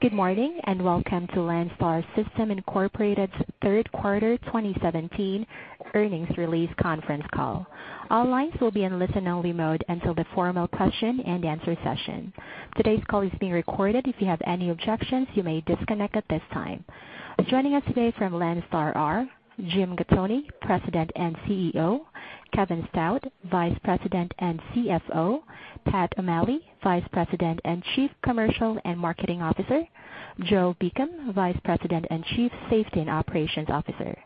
Good morning, and welcome to Landstar System Incorporated's Third Quarter 2017 earnings release conference call. All lines will be in listen-only mode until the formal question and answer session. Today's call is being recorded. If you have any objections, you may disconnect at this time. Joining us today from Landstar are Jim Gattoni, President and CEO, Kevin Stout, Vice President and CFO, Pat O'Malley, Vice President and Chief Commercial and Marketing Officer, Joe Beacom, Vice President and Chief Safety and Operations Officer.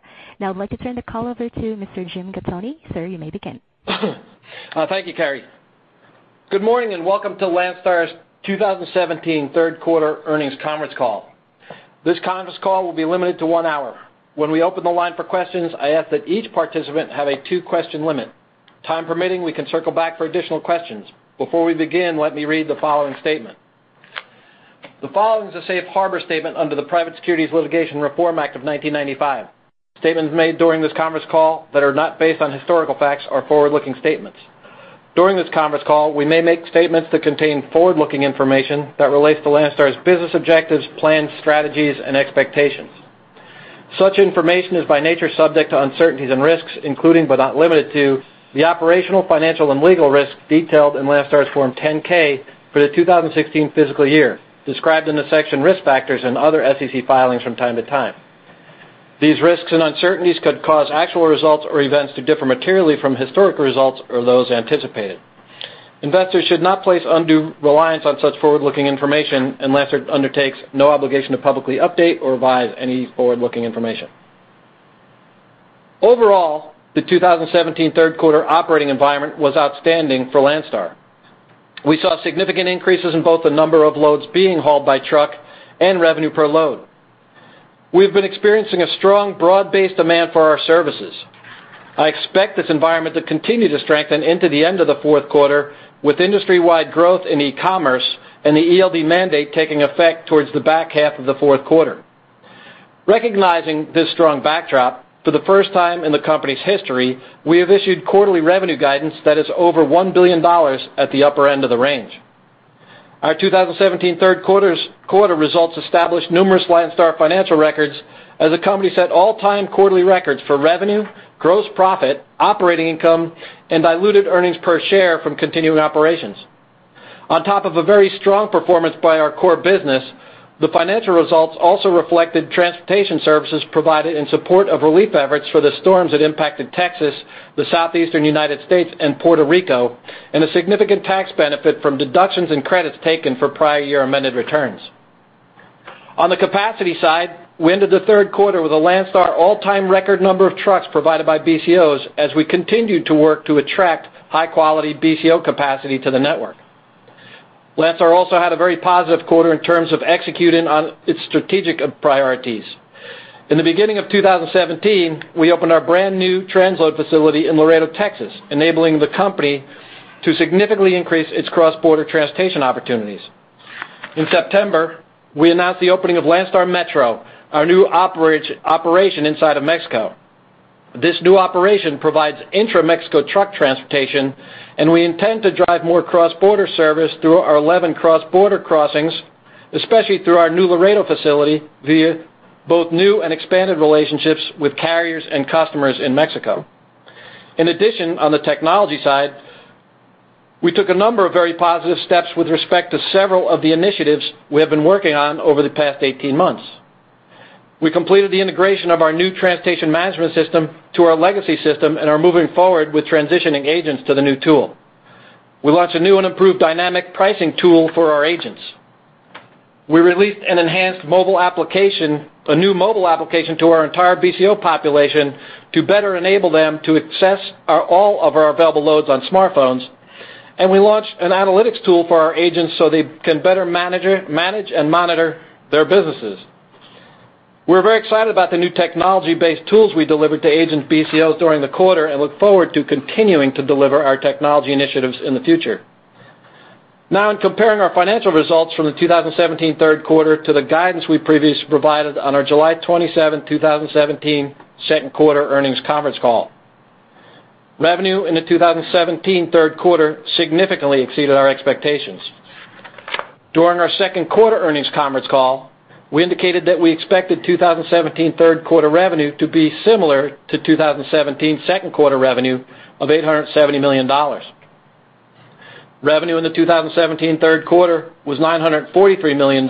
Now I'd like to turn the call over to Mr. Jim Gattoni. Sir, you may begin. Thank you, Carrie. Good morning, and welcome to Landstar's 2017 Third Quarter earnings conference call. This conference call will be limited to one hour. When we open the line for questions, I ask that each participant have a two-question limit. Time permitting, we can circle back for additional questions. Before we begin, let me read the following statement. The following is a safe harbor statement under the Private Securities Litigation Reform Act of 1995. Statements made during this conference call that are not based on historical facts are forward-looking statements. During this conference call, we may make statements that contain forward-looking information that relates to Landstar's business objectives, plans, strategies, and expectations. Such information is by nature subject to uncertainties and risks, including but not limited to the operational, financial, and legal risks detailed in Landstar's Form 10-K for the 2016 fiscal year, described in the section Risk Factors and other SEC filings from time to time. These risks and uncertainties could cause actual results or events to differ materially from historical results or those anticipated. Investors should not place undue reliance on such forward-looking information, unless it undertakes no obligation to publicly update or revise any forward-looking information. Overall, the 2017 third quarter operating environment was outstanding for Landstar. We saw significant increases in both the number of loads being hauled by truck and revenue per load. We've been experiencing a strong, broad-based demand for our services. I expect this environment to continue to strengthen into the end of the fourth quarter, with industry-wide growth in e-commerce and the ELD mandate taking effect towards the back half of the fourth quarter. Recognizing this strong backdrop, for the first time in the company's history, we have issued quarterly revenue guidance that is over $1 billion at the upper end of the range. Our 2017 third quarter results established numerous Landstar financial records, as the company set all-time quarterly records for revenue, gross profit, operating income, and diluted earnings per share from continuing operations. On top of a very strong performance by our core business, the financial results also reflected transportation services provided in support of relief efforts for the storms that impacted Texas, the Southeastern United States, and Puerto Rico, and a significant tax benefit from deductions and credits taken for prior year amended returns. On the capacity side, we ended the third quarter with a Landstar all-time record number of trucks provided by BCOs, as we continued to work to attract high-quality BCO capacity to the network. Landstar also had a very positive quarter in terms of executing on its strategic priorities. In the beginning of 2017, we opened our brand-new transload facility in Laredo, Texas, enabling the company to significantly increase its cross-border transportation opportunities. In September, we announced the opening of Landstar Metro, our new operation inside of Mexico. This new operation provides intra-Mexico truck transportation, and we intend to drive more cross-border service through our 11 cross-border crossings, especially through our new Laredo facility, via both new and expanded relationships with carriers and customers in Mexico. In addition, on the technology side, we took a number of very positive steps with respect to several of the initiatives we have been working on over the past 18 months. We completed the integration of our new transportation management system to our legacy system and are moving forward with transitioning agents to the new tool. We launched a new and improved dynamic pricing tool for our agents. We released an enhanced mobile application, a new mobile application, to our entire BCO population to better enable them to access our, all of our available loads on smartphones, and we launched an analytics tool for our agents so they can better manage and monitor their businesses. We're very excited about the new technology-based tools we delivered to agent BCOs during the quarter and look forward to continuing to deliver our technology initiatives in the future. Now, in comparing our financial results from the 2017 third quarter to the guidance we previously provided on our July 27, 2017, second quarter earnings conference call. Revenue in the 2017 third quarter significantly exceeded our expectations. During our second quarter earnings conference call, we indicated that we expected 2017 third-quarter revenue to be similar to 2017 second-quarter revenue of $870 million. Revenue in the 2017 third quarter was $943 million,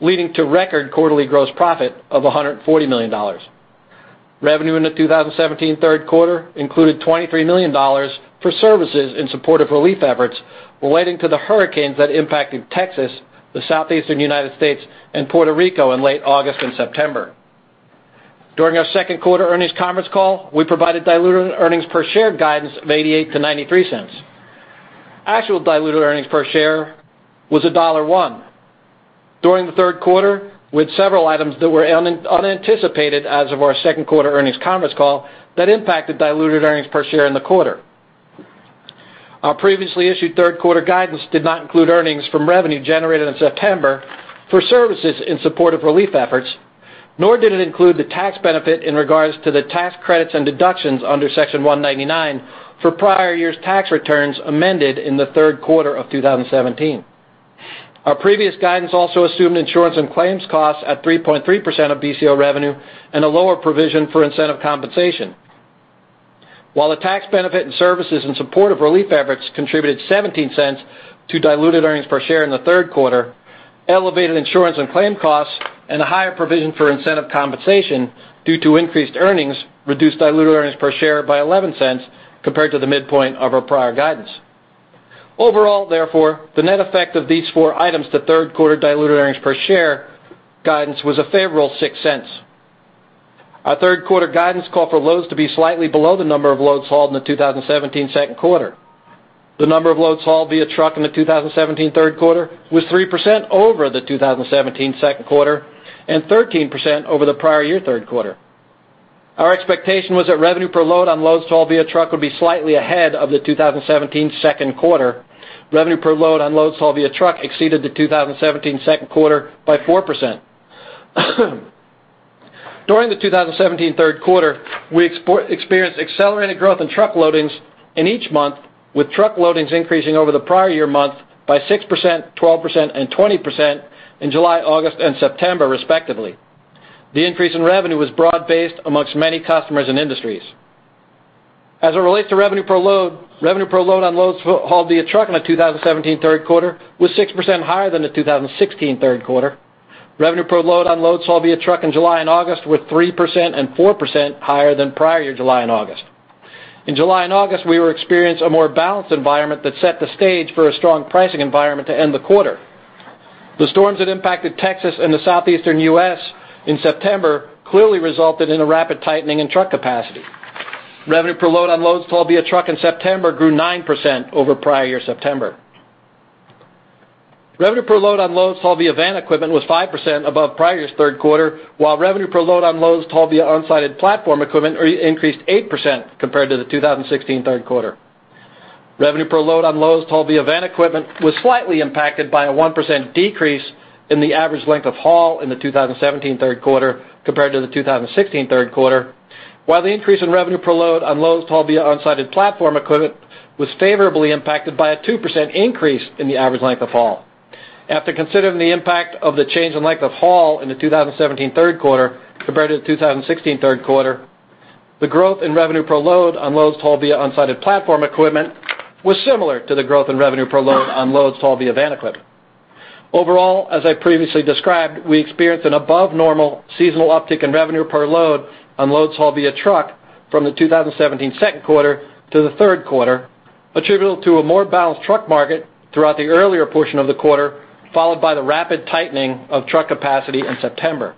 leading to record quarterly gross profit of $140 million. Revenue in the 2017 third quarter included $23 million for services in support of relief efforts relating to the hurricanes that impacted Texas, the southeastern United States, and Puerto Rico in late August and September. During our second quarter earnings conference call, we provided diluted earnings per share guidance of $0.88-$0.93. Actual diluted earnings per share was $1.01. During the third quarter, with several items that were unanticipated as of our second quarter earnings conference call, that impacted diluted earnings per share in the quarter. Our previously issued third quarter guidance did not include earnings from revenue generated in September for services in support of relief efforts, nor did it include the tax benefit in regards to the tax credits and deductions under Section 199 for prior year's tax returns amended in the third quarter of 2017. Our previous guidance also assumed insurance and claims costs at 3.3% of BCO revenue and a lower provision for incentive compensation. While the tax benefit and services in support of relief efforts contributed $0.17 to diluted earnings per share in the third quarter, elevated insurance and claim costs and a higher provision for incentive compensation due to increased earnings reduced diluted earnings per share by $0.11 compared to the midpoint of our prior guidance. Overall, therefore, the net effect of these four items to third quarter diluted earnings per share guidance was a favorable $0.06. Our third quarter guidance called for loads to be slightly below the number of loads hauled in the 2017 second quarter. The number of loads hauled via truck in the 2017 third quarter was 3% over the 2017 second quarter and 13% over the prior year third quarter. Our expectation was that revenue per load on loads hauled via truck would be slightly ahead of the 2017 second quarter. Revenue per load on loads hauled via truck exceeded the 2017 second quarter by 4%. During the 2017 third quarter, we experienced accelerated growth in truck loadings in each month, with truck loadings increasing over the prior year month by 6%, 12%, and 20% in July, August, and September, respectively. The increase in revenue was broad-based among many customers and industries. As it relates to revenue per load, revenue per load on loads hauled via truck in the 2017 third quarter was 6% higher than the 2016 third quarter. Revenue per load on loads hauled via truck in July and August were 3% and 4% higher than prior year July and August. In July and August, we experienced a more balanced environment that set the stage for a strong pricing environment to end the quarter. The storms that impacted Texas and the Southeastern U.S. in September clearly resulted in a rapid tightening in truck capacity. Revenue per load on loads hauled via truck in September grew 9% over prior year September. Revenue per load on loads hauled via van equipment was 5% above prior year's third quarter, while revenue per load on loads hauled via unsided platform equipment increased 8% compared to the 2016 third quarter. Revenue per load on loads hauled via van equipment was slightly impacted by a 1% decrease in the average length of haul in the 2017 third quarter compared to the 2016 third quarter, while the increase in revenue per load on loads hauled via unsided platform equipment was favorably impacted by a 2% increase in the average length of haul. After considering the impact of the change in length of haul in the 2017 third quarter compared to the 2016 third quarter, the growth in revenue per load on loads hauled via unsided platform equipment was similar to the growth in revenue per load on loads hauled via van equipment. Overall, as I previously described, we experienced an above-normal seasonal uptick in revenue per load on loads hauled via truck from the 2017 second quarter to the third quarter, attributable to a more balanced truck market throughout the earlier portion of the quarter, followed by the rapid tightening of truck capacity in September.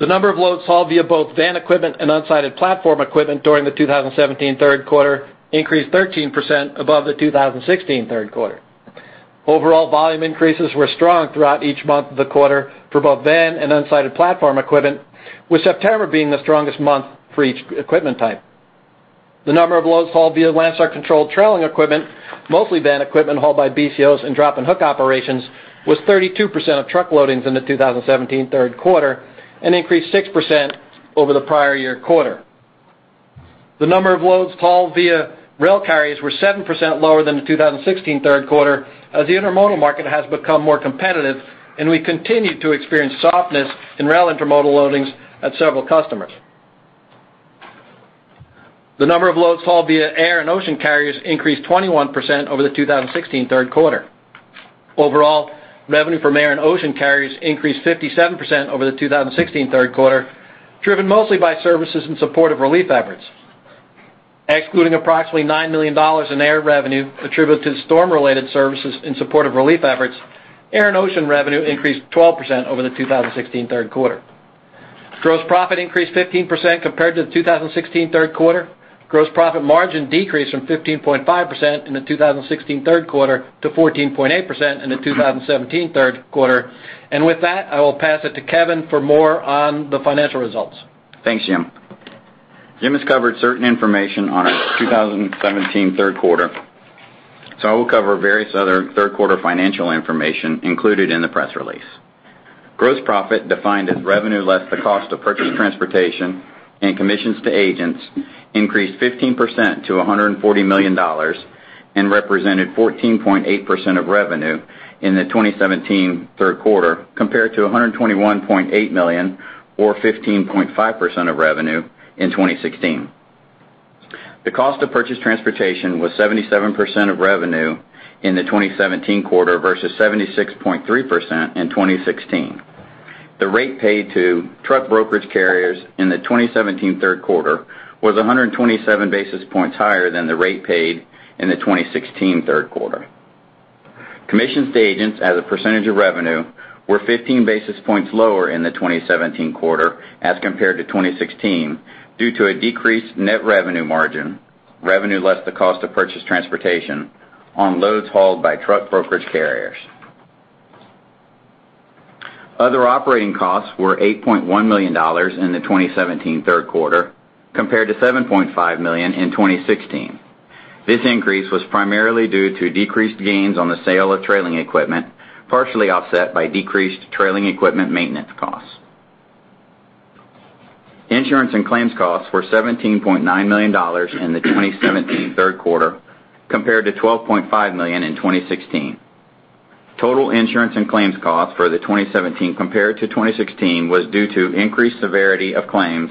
The number of loads hauled via both van equipment and unsided platform equipment during the 2017 third quarter increased 13% above the 2016 third quarter. Overall volume increases were strong throughout each month of the quarter for both van and unsided platform equipment, with September being the strongest month for each equipment type. The number of loads hauled via Landstar-owned or controlled trailer equipment, mostly van equipment hauled by BCOs and drop and hook operations, was 32% of truck loadings in the 2017 third quarter and increased 6% over the prior year quarter. The number of loads hauled via rail carriers were 7% lower than the 2016 third quarter, as the intermodal market has become more competitive, and we continued to experience softness in rail intermodal loadings at several customers. The number of loads hauled via air and ocean carriers increased 21% over the 2016 third quarter. Overall, revenue from air and ocean carriers increased 57% over the 2016 third quarter, driven mostly by services in support of relief efforts. Excluding approximately $9 million in air revenue attributable to storm-related services in support of relief efforts, air and ocean revenue increased 12% over the 2016 third quarter. Gross profit increased 15% compared to the 2016 third quarter. Gross profit margin decreased from 15.5% in the 2016 third quarter to 14.8% in the 2017 third quarter. With that, I will pass it to Kevin for more on the financial results. Thanks, Jim. Jim has covered certain information on our 2017 third quarter, so I will cover various other third quarter financial information included in the press release. Gross profit, defined as revenue less the cost of purchased transportation and commissions to agents, increased 15% to $140 million and represented 14.8% of revenue in the 2017 third quarter, compared to $121.8 million, or 15.5% of revenue, in 2016. The cost of purchased transportation was 77% of revenue in the 2017 quarter versus 76.3% in 2016. The rate paid to truck brokerage carriers in the 2017 third quarter was 127 basis points higher than the rate paid in the 2016 third quarter. Commissions to agents as a percentage of revenue were 15 basis points lower in the 2017 quarter as compared to 2016 due to a decreased net revenue margin, revenue less the cost of purchased transportation on loads hauled by truck brokerage carriers. Other operating costs were $8.1 million in the 2017 third quarter, compared to $7.5 million in 2016. This increase was primarily due to decreased gains on the sale of trailer equipment, partially offset by decreased trailer equipment maintenance costs. Insurance and claims costs were $17.9 million in the 2017 third quarter, compared to $12.5 million in 2016. Total insurance and claims costs for 2017 compared to 2016 was due to increased severity of claims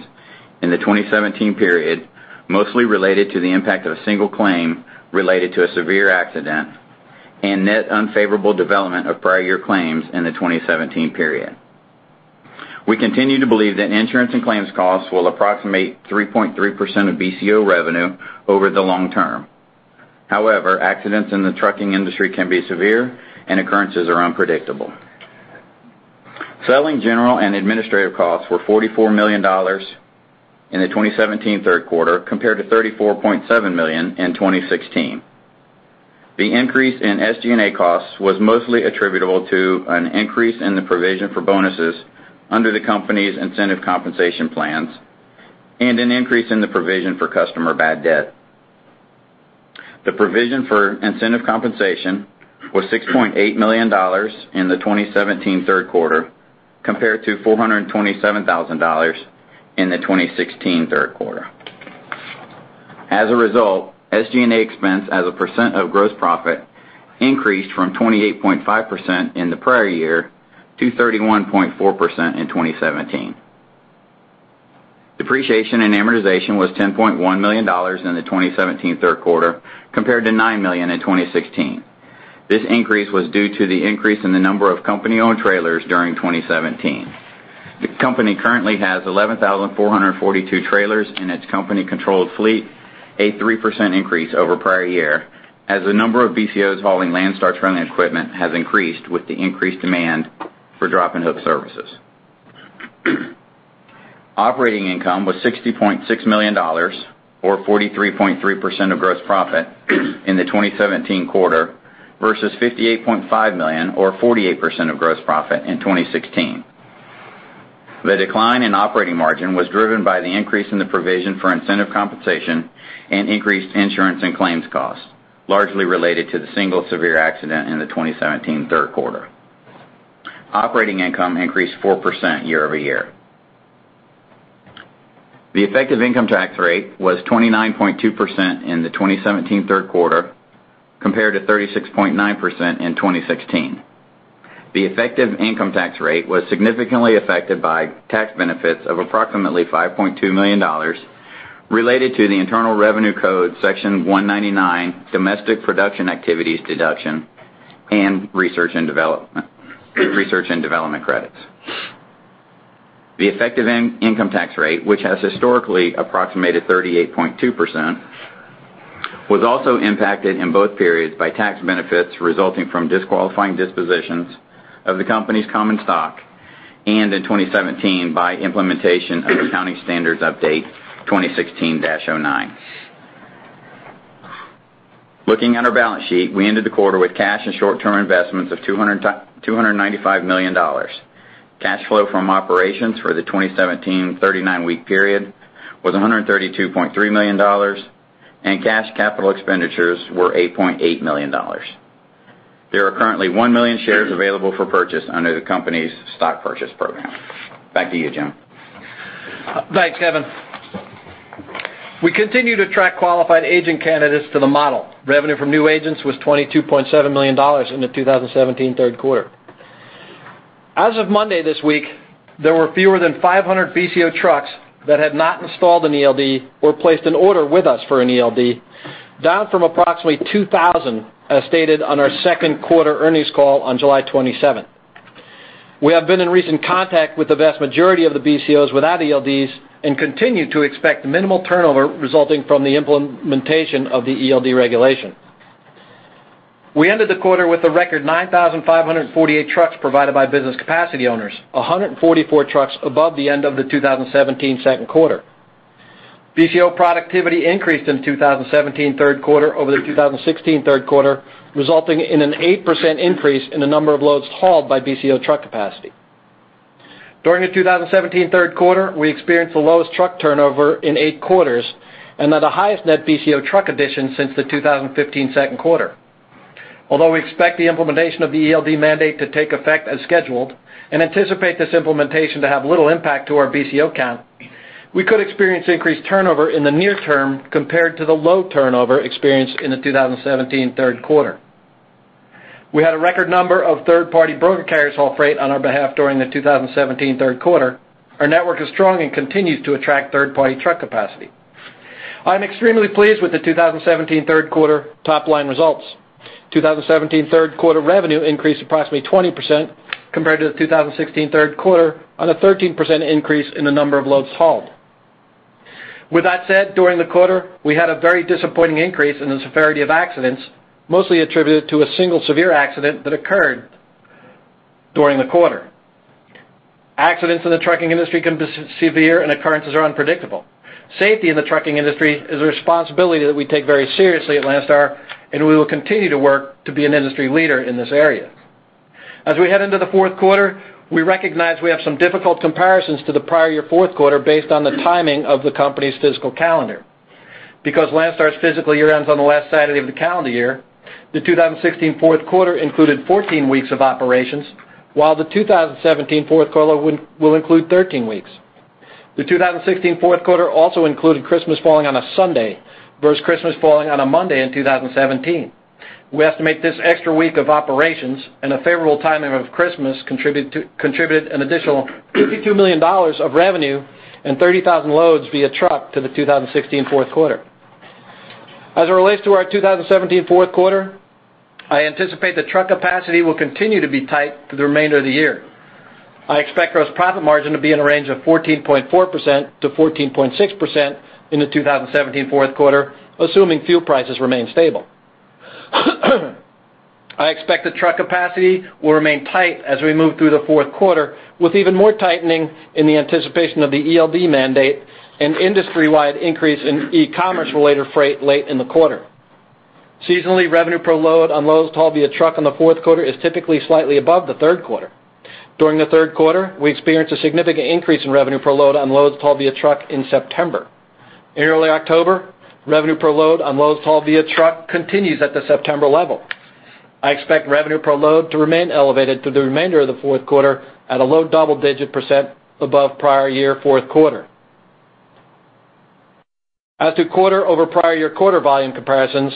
in the 2017 period, mostly related to the impact of a single claim related to a severe accident and net unfavorable development of prior year claims in the 2017 period. We continue to believe that insurance and claims costs will approximate 3.3% of BCO revenue over the long term. However, accidents in the trucking industry can be severe and occurrences are unpredictable. Selling general and administrative costs were $44 million in the 2017 third quarter, compared to $34.7 million in 2016. The increase in SG&A costs was mostly attributable to an increase in the provision for bonuses under the company's incentive compensation plans and an increase in the provision for customer bad debt. The provision for incentive compensation was $6.8 million in the 2017 third quarter, compared to $427,000 in the 2016 third quarter. As a result, SG&A expense as a percent of gross profit increased from 28.5% in the prior year to 31.4% in 2017. Depreciation and amortization was $10.1 million in the 2017 third quarter, compared to $9 million in 2016. This increase was due to the increase in the number of company-owned trailers during 2017. The company currently has 11,442 trailers in its company-controlled fleet, a 3% increase over prior year, as the number of BCOs hauling Landstar trailer equipment has increased with the increased demand for drop-and-hook services. Operating income was $60.6 million or 43.3% of gross profit in the 2017 quarter, versus $58.5 million or 48% of gross profit in 2016. The decline in operating margin was driven by the increase in the provision for incentive compensation and increased insurance and claims costs, largely related to the single severe accident in the 2017 third quarter. Operating income increased 4% year-over-year. The effective income tax rate was 29.2% in the 2017 third quarter, compared to 36.9% in 2016. The effective income tax rate was significantly affected by tax benefits of approximately $5.2 million, related to the Internal Revenue Code Section 199, Domestic Production Activities Deduction, and Research and Development credits. The effective income tax rate, which has historically approximated 38.2%, was also impacted in both periods by tax benefits resulting from disqualifying dispositions of the company's common stock, and in 2017, by implementation of Accounting Standards Update 2016-09. Looking at our balance sheet, we ended the quarter with cash and short-term investments of $295 million. Cash flow from operations for the 2017 39-week period was $132.3 million, and cash capital expenditures were $8.8 million. There are currently 1 million shares available for purchase under the company's stock purchase program. Back to you, Jim. Thanks, Kevin. We continue to attract qualified agent candidates to the model. Revenue from new agents was $22.7 million in the 2017 third quarter. As of Monday this week, there were fewer than 500 BCO trucks that had not installed an ELD or placed an order with us for an ELD, down from approximately 2,000, as stated on our second quarter earnings call on July 27. We have been in recent contact with the vast majority of the BCOs without ELDs and continue to expect minimal turnover resulting from the implementation of the ELD regulation. We ended the quarter with a record 9,548 trucks provided by business capacity owners, 144 trucks above the end of the 2017 second quarter. BCO productivity increased in 2017 third quarter over the 2016 third quarter, resulting in an 8% increase in the number of loads hauled by BCO truck capacity. During the 2017 third quarter, we experienced the lowest truck turnover in 8 quarters and had the highest net BCO truck addition since the 2015 second quarter. Although we expect the implementation of the ELD mandate to take effect as scheduled and anticipate this implementation to have little impact to our BCO count, we could experience increased turnover in the near term compared to the low turnover experienced in the 2017 third quarter. We had a record number of third-party broker carriers haul freight on our behalf during the 2017 third quarter. Our network is strong and continues to attract third-party truck capacity. I'm extremely pleased with the 2017 third quarter top-line results. 2017 third quarter revenue increased approximately 20% compared to the 2016 third quarter on a 13% increase in the number of loads hauled. With that said, during the quarter, we had a very disappointing increase in the severity of accidents, mostly attributed to a single severe accident that occurred during the quarter. Accidents in the trucking industry can be severe and occurrences are unpredictable. Safety in the trucking industry is a responsibility that we take very seriously at Landstar, and we will continue to work to be an industry leader in this area.... As we head into the fourth quarter, we recognize we have some difficult comparisons to the prior year fourth quarter based on the timing of the company's fiscal calendar. Because Landstar's fiscal year ends on the last Saturday of the calendar year, the 2016 fourth quarter included 14 weeks of operations, while the 2017 fourth quarter will include 13 weeks. The 2016 fourth quarter also included Christmas falling on a Sunday versus Christmas falling on a Monday in 2017. We estimate this extra week of operations and a favorable timing of Christmas contributed an additional $52 million of revenue and 30,000 loads via truck to the 2016 fourth quarter. As it relates to our 2017 fourth quarter, I anticipate the truck capacity will continue to be tight for the remainder of the year. I expect gross profit margin to be in a range of 14.4%-14.6% in the 2017 fourth quarter, assuming fuel prices remain stable. I expect the truck capacity will remain tight as we move through the fourth quarter, with even more tightening in the anticipation of the ELD mandate and industry-wide increase in e-commerce related freight late in the quarter. Seasonally, revenue per load on loads hauled via truck on the fourth quarter is typically slightly above the third quarter. During the third quarter, we experienced a significant increase in revenue per load on loads hauled via truck in September. In early October, revenue per load on loads hauled via truck continues at the September level. I expect revenue per load to remain elevated through the remainder of the fourth quarter at a low double-digit % above prior year fourth quarter. As to quarter-over-prior-year-quarter volume comparisons,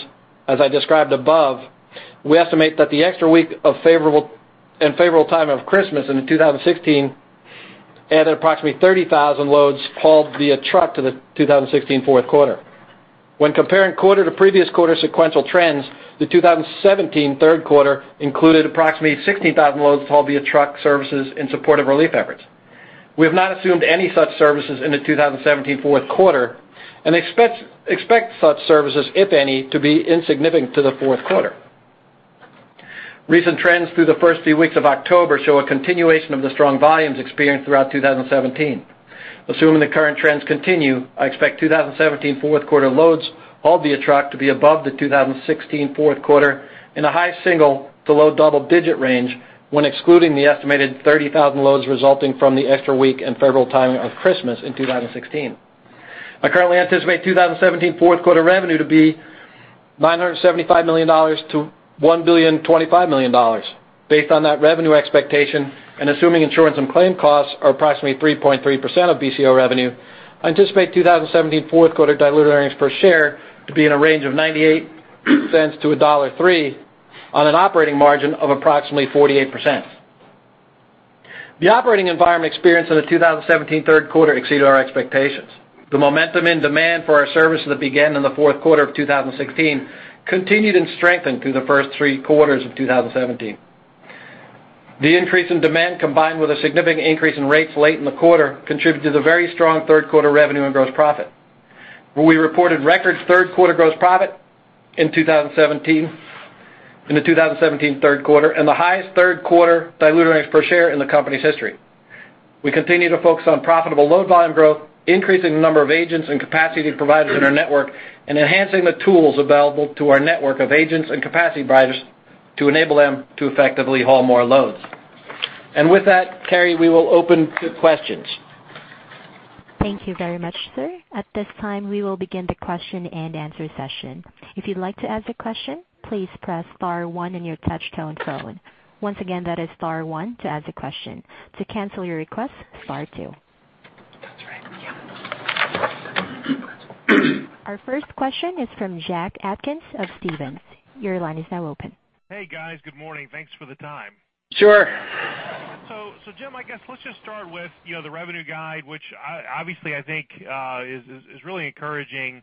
as I described above, we estimate that the extra week of favorable and favorable time of Christmas in 2016 added approximately 30,000 loads hauled via truck to the 2016 fourth quarter. When comparing quarter-to-previous-quarter sequential trends, the 2017 third quarter included approximately 60,000 loads hauled via truck services in support of relief efforts. We have not assumed any such services in the 2017 fourth quarter and expect such services, if any, to be insignificant to the fourth quarter. Recent trends through the first few weeks of October show a continuation of the strong volumes experienced throughout 2017. Assuming the current trends continue, I expect 2017 fourth quarter loads hauled via truck to be above the 2016 fourth quarter in a high single- to low double-digit range, when excluding the estimated 30,000 loads resulting from the extra week and favorable timing of Christmas in 2016. I currently anticipate 2017 fourth quarter revenue to be $975 million-$1.025 billion. Based on that revenue expectation and assuming insurance and claim costs are approximately 3.3% of BCO revenue, I anticipate 2017 fourth quarter diluted earnings per share to be in a range of $0.98-$1.03 on an operating margin of approximately 48%. The operating environment experienced in the 2017 third quarter exceeded our expectations. The momentum and demand for our services that began in the fourth quarter of 2016 continued and strengthened through the first three quarters of 2017. The increase in demand, combined with a significant increase in rates late in the quarter, contributed to the very strong third quarter revenue and gross profit, where we reported record third quarter gross profit in 2017, in the 2017 third quarter, and the highest third quarter diluted earnings per share in the company's history. We continue to focus on profitable load volume growth, increasing the number of agents and capacity providers in our network, and enhancing the tools available to our network of agents and capacity providers to enable them to effectively haul more loads. With that, Carrie, we will open to questions. Thank you very much, sir. At this time, we will begin the question-and-answer session. If you'd like to ask a question, please press star one on your touch-tone phone. Once again, that is star one to ask a question. To cancel your request, star two. Our first question is from Jack Atkins of Stephens. Your line is now open. Hey, guys. Good morning. Thanks for the time. Sure. So, Jim, I guess let's just start with, you know, the revenue guide, which I obviously think is really encouraging.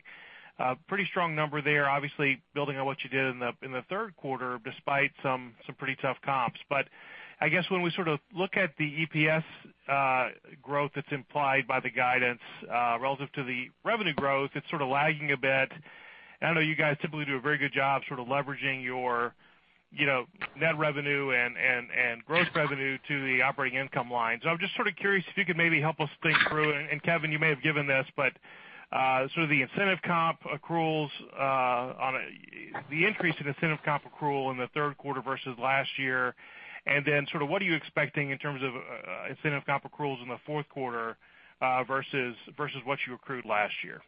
Pretty strong number there, obviously, building on what you did in the third quarter, despite some pretty tough comps. But I guess when we sort of look at the EPS growth that's implied by the guidance relative to the revenue growth, it's sort of lagging a bit. I know you guys typically do a very good job sort of leveraging your, you know, net revenue and gross revenue to the operating income line. I'm just sort of curious if you could maybe help us think through, and Kevin, you may have given this, but sort of the incentive comp accruals on the increase in incentive comp accrual in the third quarter versus last year. Then sort of what are you expecting in terms of incentive comp accruals in the fourth quarter versus versus what you accrued last year?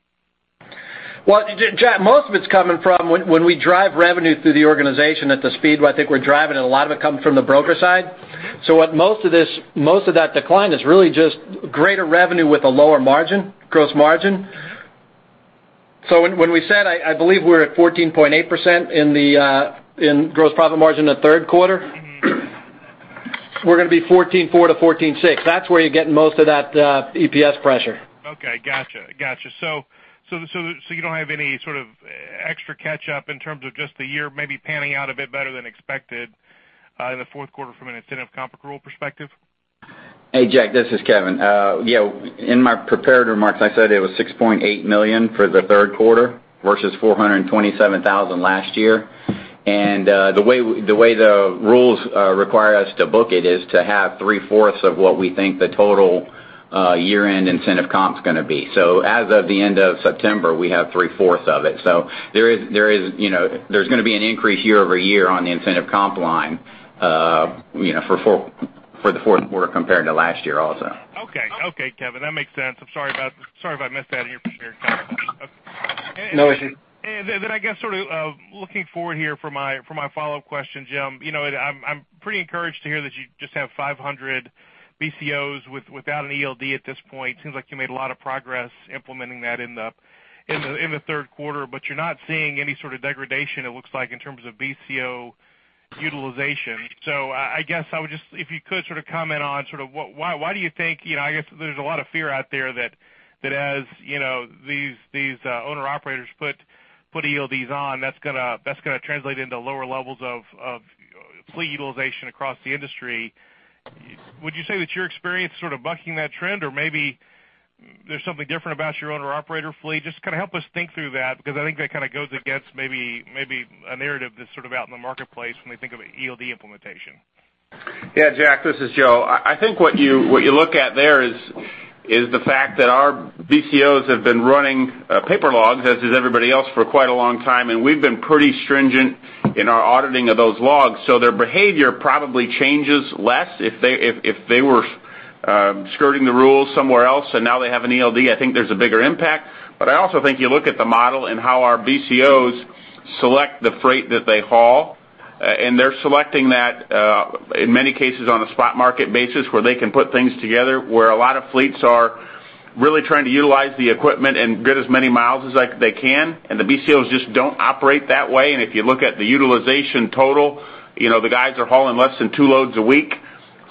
Well, Jack, most of it's coming from when we drive revenue through the organization at the speed where I think we're driving it, a lot of it comes from the broker side. Mm-hmm. What most of this, most of that decline is really just greater revenue with a lower margin, gross margin. Mm-hmm. So when we said I believe we're at 14.8% in the gross profit margin in the third quarter, we're going to be 14.4%-14.6%. That's where you're getting most of that EPS pressure. Okay, gotcha. So, you don't have any sort of extra catch up in terms of just the year, maybe panning out a bit better than expected in the fourth quarter from an incentive comp accrual perspective? Hey, Jack, this is Kevin. Yeah, in my prepared remarks, I said it was $6.8 million for the third quarter versus $427,000 last year. And the way, the way the rules require us to book it is to have three-fourths of what we think the total-... year-end incentive comp's gonna be. So as of the end of September, we have three-fourths of it. So there is, you know, there's gonna be an increase year-over-year on the incentive comp line, you know, for the fourth quarter compared to last year also. Okay. Okay, Kevin, that makes sense. I'm sorry about, sorry if I missed that here for sure. No issue. Then I guess sort of looking forward here for my follow-up question, Jim. You know, I'm pretty encouraged to hear that you just have 500 BCOs without an ELD at this point. Seems like you made a lot of progress implementing that in the third quarter, but you're not seeing any sort of degradation, it looks like, in terms of BCO utilization. So I guess I would just—if you could sort of comment on sort of why do you think, you know, I guess there's a lot of fear out there that as, you know, these owner-operators put ELDs on, that's gonna translate into lower levels of fleet utilization across the industry. Would you say that your experience sort of bucking that trend, or maybe there's something different about your owner-operator fleet? Just kinda help us think through that, because I think that kinda goes against maybe, maybe a narrative that's sort of out in the marketplace when we think of ELD implementation. Yeah, Jack, this is Joe. I think what you look at there is the fact that our BCOs have been running paper logs, as is everybody else, for quite a long time, and we've been pretty stringent in our auditing of those logs. So their behavior probably changes less if they were skirting the rules somewhere else, and now they have an ELD, I think there's a bigger impact. But I also think you look at the model and how our BCOs select the freight that they haul, and they're selecting that in many cases, on a spot market basis, where they can put things together, where a lot of fleets are really trying to utilize the equipment and get as many miles as, like, they can, and the BCOs just don't operate that way. If you look at the utilization total, you know, the guys are hauling less than two loads a week,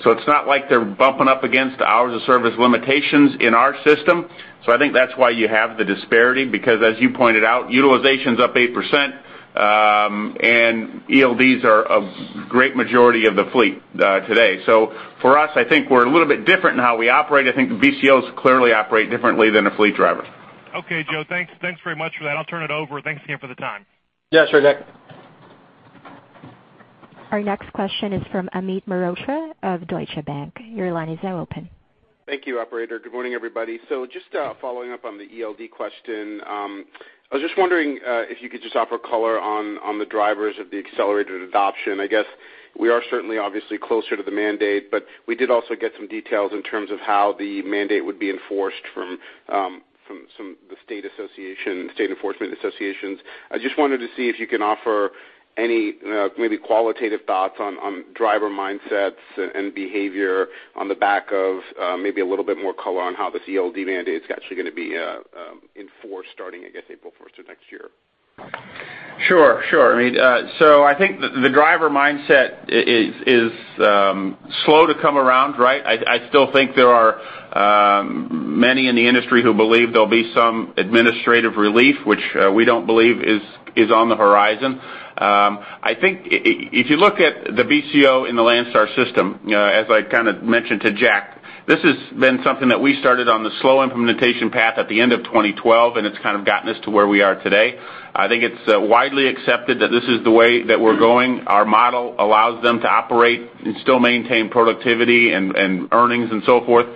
so it's not like they're bumping up against the hours of service limitations in our system. So I think that's why you have the disparity, because, as you pointed out, utilization's up 8%, and ELDs are a great majority of the fleet today. So for us, I think we're a little bit different in how we operate. I think the BCOs clearly operate differently than a fleet driver. Okay, Joe. Thanks. Thanks very much for that. I'll turn it over. Thanks again for the time. Yeah, sure, Jack. Our next question is from Amit Mehrotra of Deutsche Bank. Your line is now open. Thank you, operator. Good morning, everybody. So just following up on the ELD question, I was just wondering if you could just offer color on the drivers of the accelerated adoption. I guess we are certainly obviously closer to the mandate, but we did also get some details in terms of how the mandate would be enforced from some state enforcement associations. I just wanted to see if you can offer any maybe qualitative thoughts on driver mindsets and behavior on the back of maybe a little bit more color on how this ELD mandate is actually gonna be enforced starting, I guess, April first of next year. Sure, sure, Amit. So I think the driver mindset is slow to come around, right? I still think there are many in the industry who believe there'll be some administrative relief, which we don't believe is on the horizon. I think if you look at the BCO in the Landstar system, as I kind of mentioned to Jack, this has been something that we started on the slow implementation path at the end of 2012, and it's kind of gotten us to where we are today. I think it's widely accepted that this is the way that we're going. Our model allows them to operate and still maintain productivity and earnings and so forth.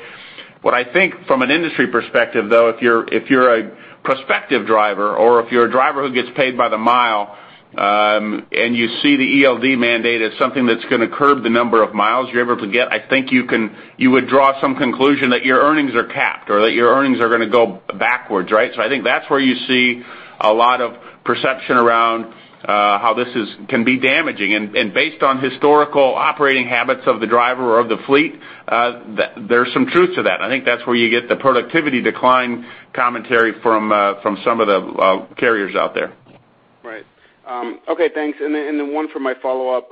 What I think from an industry perspective, though, if you're, if you're a prospective driver or if you're a driver who gets paid by the mile, and you see the ELD mandate as something that's gonna curb the number of miles you're able to get, I think you would draw some conclusion that your earnings are capped or that your earnings are gonna go backwards, right? So I think that's where you see a lot of perception around, how this can be damaging. And based on historical operating habits of the driver or of the fleet, there's some truth to that. I think that's where you get the productivity decline commentary from, from some of the carriers out there. Right. Okay, thanks. And then one for my follow-up,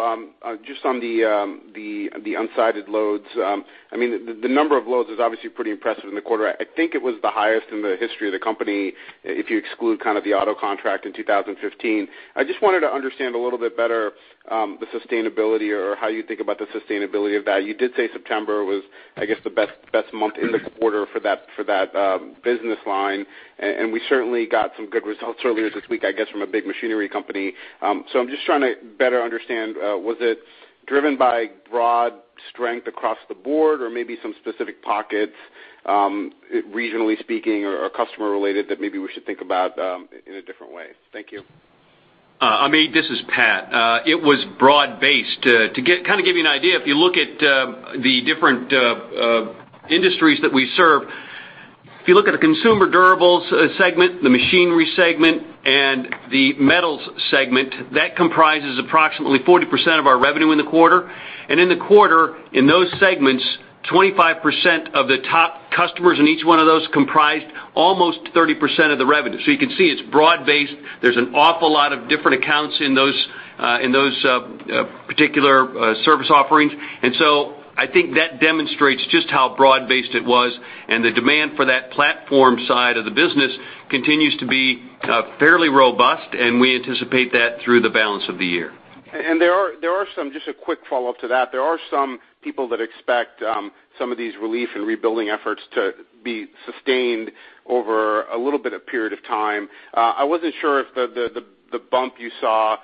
just on the unsided loads. I mean, the number of loads is obviously pretty impressive in the quarter. I think it was the highest in the history of the company, if you exclude kind of the auto contract in 2015. I just wanted to understand a little bit better, the sustainability or how you think about the sustainability of that. You did say September was, I guess, the best month in the quarter for that business line, and we certainly got some good results earlier this week, I guess, from a big machinery company. I'm just trying to better understand, was it driven by broad strength across the board or maybe some specific pockets, regionally speaking or, or customer related, that maybe we should think about, in a different way? Thank you. Amit, this is Pat. It was broad-based. To get kind of give you an idea, if you look at the different industries that we serve, if you look at the consumer durables segment, the machinery segment, and the metals segment, that comprises approximately 40% of our revenue in the quarter. And in the quarter, in those segments, 25% of the top customers in each one of those comprised almost 30% of the revenue. So you can see it's broad-based. There's an awful lot of different accounts in those, in those particular service offerings. And so I think that demonstrates just how broad-based it was, and the demand for that platform side of the business continues to be fairly robust, and we anticipate that through the balance of the year. Just a quick follow-up to that, there are some people that expect some of these relief and rebuilding efforts to-... be sustained over a little bit of period of time. I wasn't sure if the bump you saw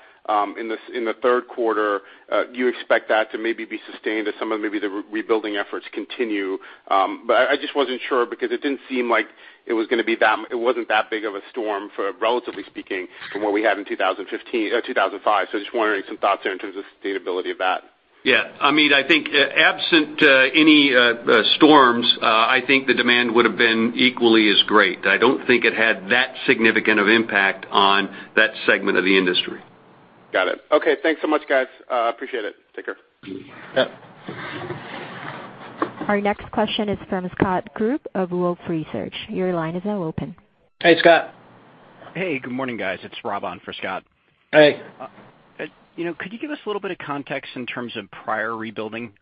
in the third quarter, do you expect that to maybe be sustained as some of maybe the rebuilding efforts continue? But I just wasn't sure, because it didn't seem like it was going to be that it wasn't that big of a storm for, relatively speaking, from what we had in 2015, 2005. So just wondering some thoughts there in terms of sustainability of that. Yeah. Amit, I think, absent any storms, I think the demand would have been equally as great. I don't think it had that significant of impact on that segment of the industry. Got it. Okay, thanks so much, guys. Appreciate it. Take care. Yep. Our next question is from Scott Group of Wolfe Research. Your line is now open. Hey, Scott. Hey, good morning, guys. It's Rob on for Scott. Hey. You know, could you give us a little bit of context in terms of prior rebuilding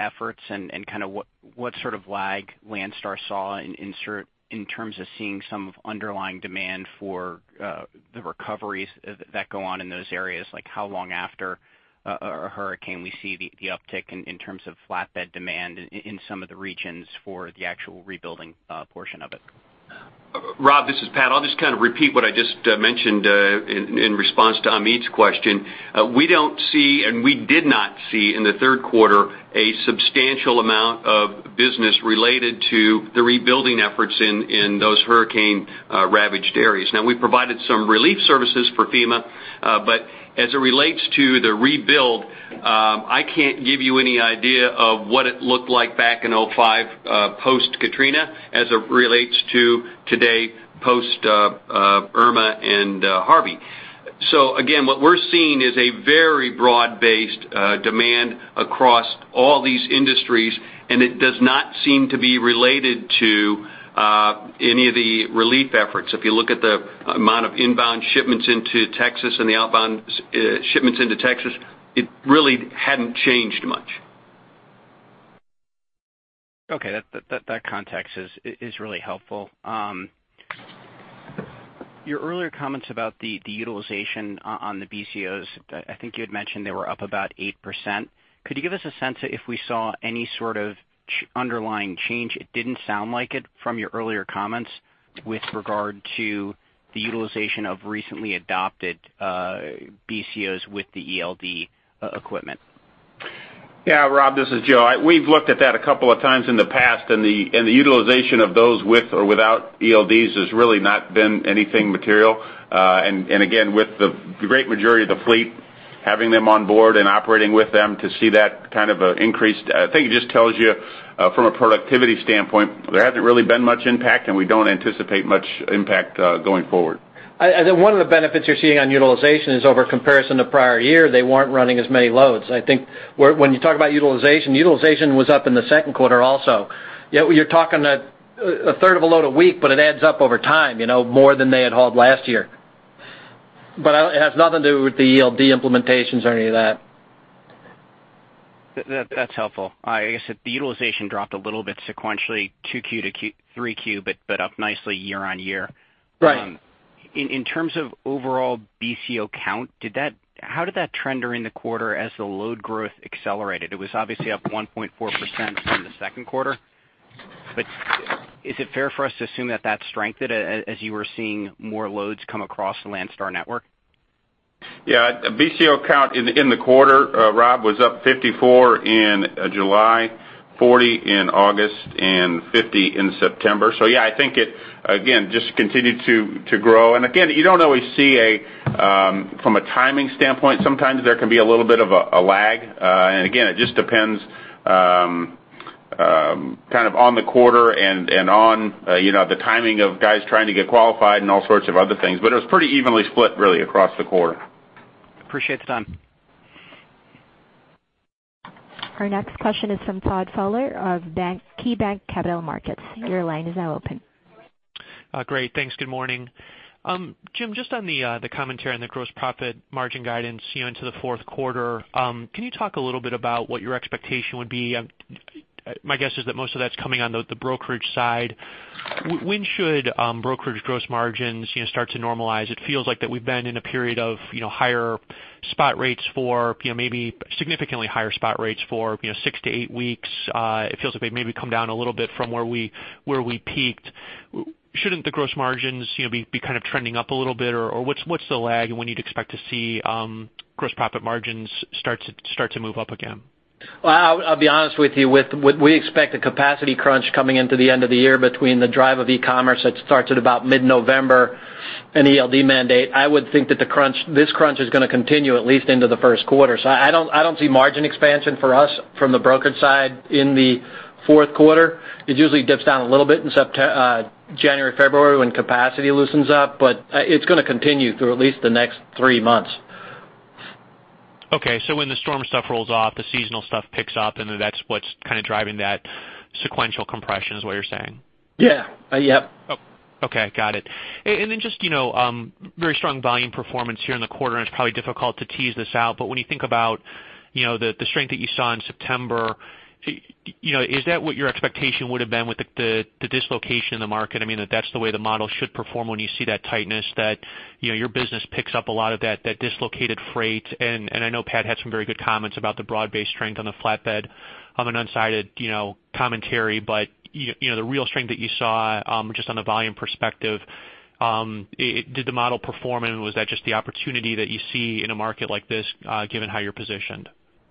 efforts and kind of what sort of lag Landstar saw in terms of seeing some of underlying demand for the recoveries that go on in those areas? Like, how long after a hurricane we see the uptick in terms of flatbed demand in some of the regions for the actual rebuilding portion of it? Rob, this is Pat. I'll just kind of repeat what I just mentioned in response to Amit's question. We don't see, and we did not see in the third quarter, a substantial amount of business related to the rebuilding efforts in those hurricane ravaged areas. Now, we provided some relief services for FEMA, but as it relates to the rebuild, I can't give you any idea of what it looked like back in 2005, post-Katrina, as it relates to today, post Irma and Harvey. So again, what we're seeing is a very broad-based demand across all these industries, and it does not seem to be related to any of the relief efforts. If you look at the amount of inbound shipments into Texas and the outbound shipments into Texas, it really hadn't changed much. Okay. That context is really helpful. Your earlier comments about the utilization on the BCOs, I think you had mentioned they were up about 8%. Could you give us a sense if we saw any sort of underlying change? It didn't sound like it from your earlier comments with regard to the utilization of recently adopted BCOs with the ELD equipment. Yeah, Rob, this is Joe. We've looked at that a couple of times in the past, and the utilization of those with or without ELDs has really not been anything material. And again, with the great majority of the fleet having them on board and operating with them to see that kind of increase, I think it just tells you from a productivity standpoint, there hasn't really been much impact, and we don't anticipate much impact going forward. And one of the benefits you're seeing on utilization is year-over-year comparison to prior year, they weren't running as many loads. I think when you talk about utilization, utilization was up in the second quarter also. Yet, you're talking a third of a load a week, but it adds up over time, you know, more than they had hauled last year. But I... It has nothing to do with the ELD implementations or any of that. That, that's helpful. I guess, if the utilization dropped a little bit sequentially, 2Q to 3Q, but, but up nicely year-on-year. Right. In terms of overall BCO count, how did that trend during the quarter as the load growth accelerated? It was obviously up 1.4% from the second quarter. But is it fair for us to assume that that strengthened as you were seeing more loads come across the Landstar network? Yeah, BCO count in the quarter, Rob, was up 54 in July, 40 in August, and 50 in September. So yeah, I think it again just continued to grow. And again, you don't always see a... From a timing standpoint, sometimes there can be a little bit of a lag. And again, it just depends kind of on the quarter and on you know, the timing of guys trying to get qualified and all sorts of other things. But it was pretty evenly split, really, across the quarter. Appreciate the time. Our next question is from Todd Fowler of KeyBanc Capital Markets. Your line is now open. Great. Thanks. Good morning. Jim, just on the commentary on the gross profit margin guidance, you know, into the fourth quarter, can you talk a little bit about what your expectation would be? My guess is that most of that's coming on the brokerage side. When should brokerage gross margins, you know, start to normalize? It feels like that we've been in a period of, you know, higher spot rates for, you know, maybe significantly higher spot rates for, you know, six to eight weeks. It feels like they maybe come down a little bit from where we peaked. Shouldn't the gross margins, you know, be kind of trending up a little bit, or what's the lag and when you'd expect to see gross profit margins start to move up again? Well, I'll be honest with you, we expect a capacity crunch coming into the end of the year between the drive of e-commerce that starts at about mid-November and ELD mandate. I would think that the crunch, this crunch, is going to continue at least into the first quarter. So I don't see margin expansion for us from the brokerage side in the fourth quarter. It usually dips down a little bit in September, January, February, when capacity loosens up, but it's going to continue through at least the next three months. Okay. So when the storm stuff rolls off, the seasonal stuff picks up, and then that's what's kind of driving that sequential compression, is what you're saying? Yeah. Yep. Oh, okay. Got it. And then just, you know, very strong volume performance here in the quarter, and it's probably difficult to tease this out, but when you think about, you know, the strength that you saw in September, you know, is that what your expectation would have been with the dislocation in the market? I mean, that's the way the model should perform when you see that tightness, that, you know, your business picks up a lot of that dislocated freight. And I know Pat had some very good comments about the broad-based strength on the flatbed on an unsided, you know, commentary. But you know, the real strength that you saw, just on the volume perspective... Did the model perform, and was that just the opportunity that you see in a market like this, given how you're positioned?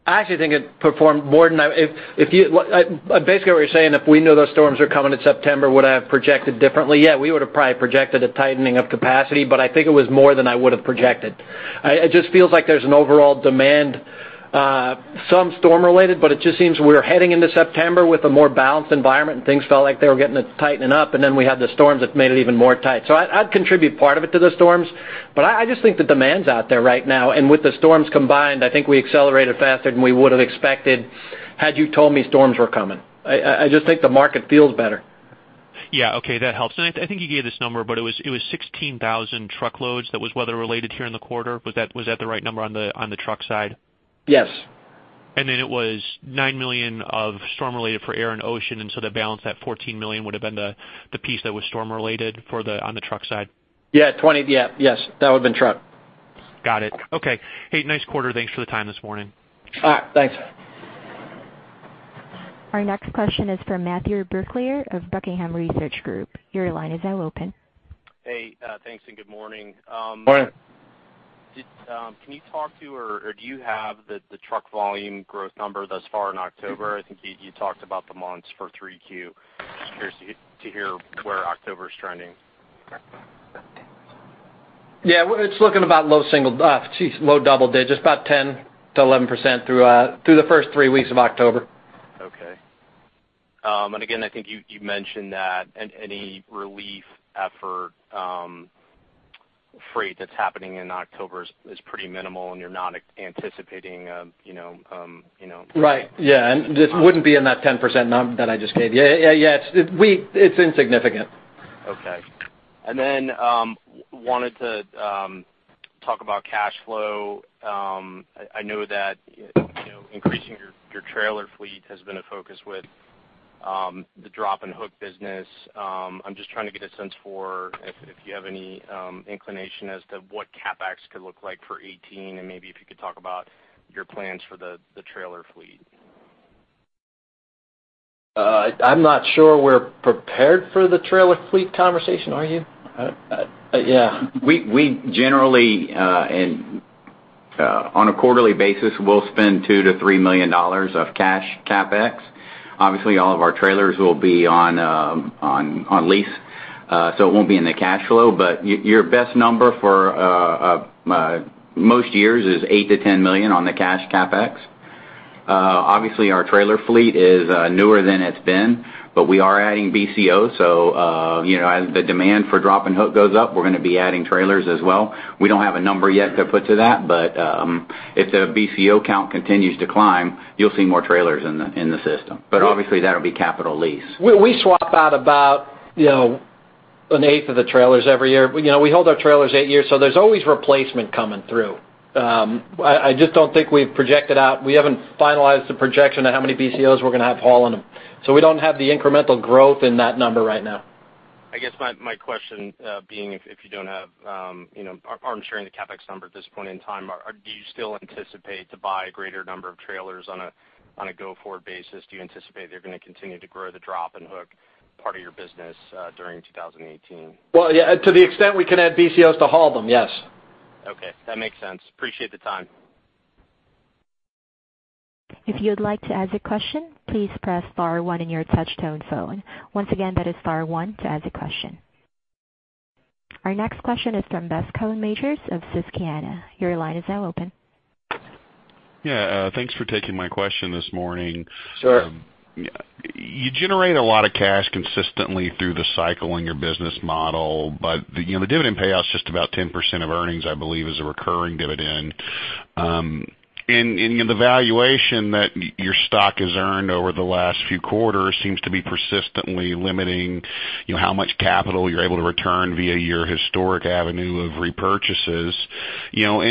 I actually think it performed more than if, well, basically what you're saying, if we knew those storms were coming in September, would I have projected differently? Yeah, we would have probably projected a tightening of capacity, but I think it was more than I would have projected. It just feels like there's an overall demand, some storm-related, but it just seems we're heading into September with a more balanced environment, and things felt like they were getting to tightening up, and then we had the storms that made it even more tight. So I'd contribute part of it to the storms, but I just think the demand's out there right now, and with the storms combined, I think we accelerated faster than we would have expected had you told me storms were coming. I just think the market feels better. Yeah, okay, that helps. I think you gave this number, but it was 16,000 truckloads that was weather-related here in the quarter. Was that the right number on the truck side? Yes. And then it was $9 million of storm-related for air and ocean, and so to balance that $14 million would have been the piece that was storm-related for the on the truck side? Yeah, 20, yeah, yes, that would have been truck. Got it. Okay. Hey, nice quarter. Thanks for the time this morning. All right, thanks. Our next question is from Matthew Brooklier of Buckingham Research Group. Your line is now open. Hey, thanks, and good morning. Morning. Can you talk to, or do you have the truck volume growth number thus far in October? I think you talked about the months for 3Q. Just curious to hear where October is trending. Yeah, well, it's looking about low single, geez, low double digits, about 10%-11% through the first three weeks of October. Okay. And again, I think you mentioned that any relief effort freight that's happening in October is pretty minimal, and you're not anticipating, you know, you know- Right. Yeah, and this wouldn't be in that 10% that I just gave you. Yeah, yeah, yeah, it, we, it's insignificant. Okay. And then wanted to talk about cash flow. I know that, you know, increasing your trailer fleet has been a focus with the drop and hook business. I'm just trying to get a sense for if you have any inclination as to what CapEx could look like for 2018, and maybe if you could talk about your plans for the trailer fleet. I'm not sure we're prepared for the trailer fleet conversation, are you? Yeah. We generally, on a quarterly basis, we'll spend $2 million-$3 million of cash CapEx. Obviously, all of our trailers will be on lease, so it won't be in the cash flow. But your best number for most years is $8 million-$10 million on the cash CapEx. Obviously, our trailer fleet is newer than it's been, but we are adding BCOs, so you know, as the demand for drop and hook goes up, we're going to be adding trailers as well. We don't have a number yet to put to that, but if the BCO count continues to climb, you'll see more trailers in the system. But obviously, that'll be capital lease. We swap out about, you know, an eighth of the trailers every year. We, you know, hold our trailers eight years, so there's always replacement coming through. I just don't think we've projected out... We haven't finalized the projection of how many BCOs we're going to have hauling them, so we don't have the incremental growth in that number right now. I guess my question being, if you don't have, you know, aren't sharing the CapEx number at this point in time, do you still anticipate to buy a greater number of trailers on a go-forward basis? Do you anticipate they're going to continue to grow the drop and hook part of your business during 2018? Well, yeah, to the extent we can add BCOs to haul them, yes. Okay, that makes sense. Appreciate the time. If you'd like to ask a question, please press star one in your touch tone phone. Once again, that is star one to ask a question. Our next question is from Bascome Majors of Susquehanna. Your line is now open. Yeah, thanks for taking my question this morning. Sure. You generate a lot of cash consistently through the cycle in your business model, but, you know, the dividend payout is just about 10% of earnings, I believe, is a recurring dividend. And you know, the valuation that your stock has earned over the last few quarters seems to be persistently limiting, you know, how much capital you're able to return via your historic avenue of repurchases. You know,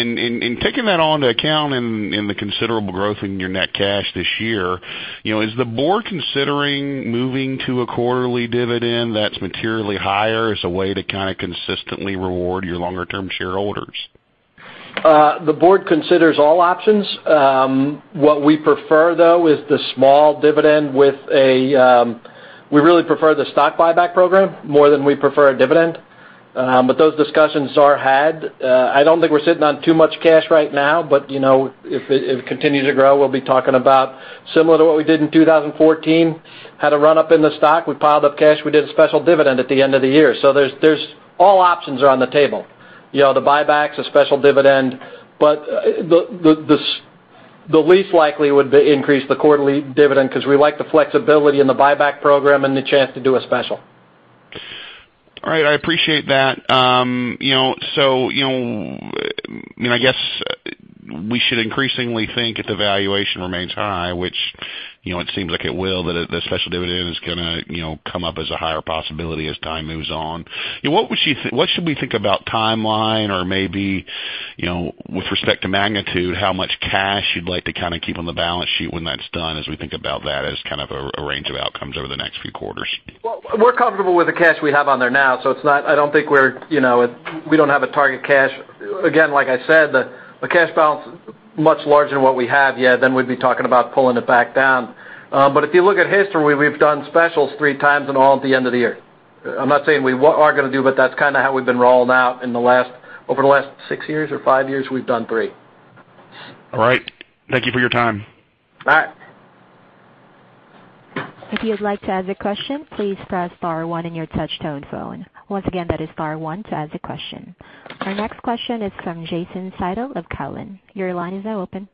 taking that all into account and the considerable growth in your net cash this year, you know, is the board considering moving to a quarterly dividend that's materially higher as a way to kind of consistently reward your longer-term shareholders? The board considers all options. What we prefer, though, is the small dividend with a, we really prefer the stock buyback program more than we prefer a dividend. But those discussions are had. I don't think we're sitting on too much cash right now, but, you know, if it continues to grow, we'll be talking about similar to what we did in 2014, had a run-up in the stock. We piled up cash. We did a special dividend at the end of the year. So there's all options are on the table. You know, the buybacks, a special dividend, but, the least likely would be increase the quarterly dividend because we like the flexibility in the buyback program and the chance to do a special. All right, I appreciate that. You know, so, you know, I mean, I guess we should increasingly think if the valuation remains high, which, you know, it seems like it will, that the special dividend is gonna, you know, come up as a higher possibility as time moves on. Yeah, what should we think about timeline or maybe, you know, with respect to magnitude, how much cash you'd like to kind of keep on the balance sheet when that's done, as we think about that as kind of a, a range of outcomes over the next few quarters? Well, we're comfortable with the cash we have on there now, so it's not. I don't think we're, you know, we don't have a target cash. Again, like I said, the cash balance much larger than what we have yet, then we'd be talking about pulling it back down. But if you look at history, we've done specials three times and all at the end of the year. I'm not saying we are going to do, but that's kind of how we've been rolling out in the last, over the last six years or five years, we've done three. All right. Thank you for your time. Bye. If you'd like to ask a question, please press star one in your touchtone phone. Once again, that is star one to ask a question. Our next question is from Jason Seidl of Cowen. Your line is now open.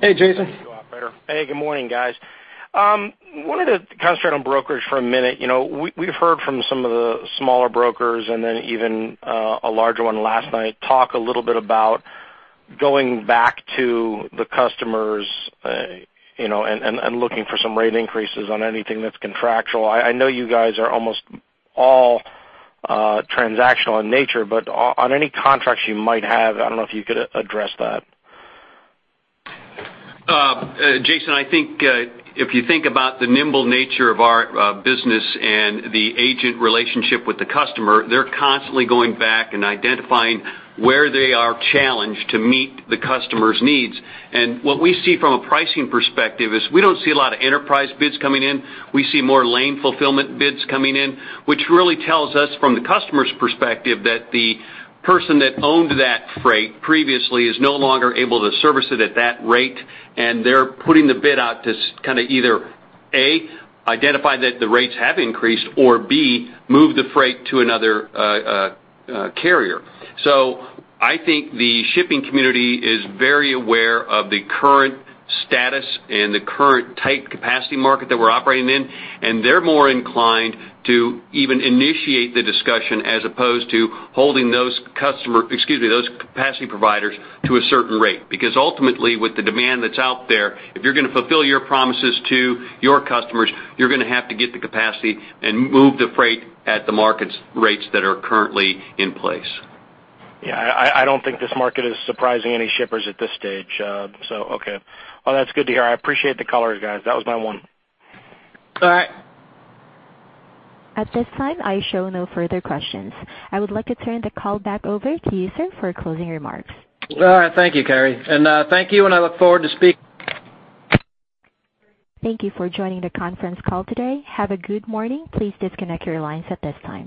Hey, Jason. Thank you, operator. Hey, good morning, guys. Wanted to concentrate on brokerage for a minute. You know, we've heard from some of the smaller brokers and then even a larger one last night talk a little bit about going back to the customers, you know, and looking for some rate increases on anything that's contractual. I know you guys are almost all transactional in nature, but on any contracts you might have, I don't know if you could address that. Jason, I think, if you think about the nimble nature of our business and the agent relationship with the customer, they're constantly going back and identifying where they are challenged to meet the customer's needs. What we see from a pricing perspective is we don't see a lot of enterprise bids coming in. We see more lane fulfillment bids coming in, which really tells us from the customer's perspective, that the person that owned that freight previously is no longer able to service it at that rate, and they're putting the bid out to kind of either, A, identify that the rates have increased, or B, move the freight to another carrier. So I think the shipping community is very aware of the current status and the current tight capacity market that we're operating in, and they're more inclined to even initiate the discussion as opposed to holding those customer, excuse me, those capacity providers to a certain rate. Because ultimately, with the demand that's out there, if you're going to fulfill your promises to your customers, you're going to have to get the capacity and move the freight at the market's rates that are currently in place. Yeah, I don't think this market is surprising any shippers at this stage. So, okay. Well, that's good to hear. I appreciate the color, guys. That was my one. All right. At this time, I show no further questions. I would like to turn the call back over to you, sir, for closing remarks. All right. Thank you, Carrie, and thank you, and I look forward to speak- Thank you for joining the conference call today. Have a good morning. Please disconnect your lines at this time.